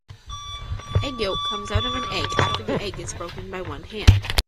Egg yolk comes out of an egg after the egg is broken by one hand.